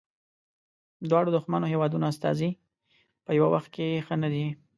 دواړو دښمنو هیوادونو استازي په یوه وخت کې ښه نه دي.